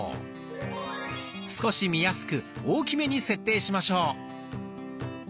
少し見やすく大きめに設定しましょう。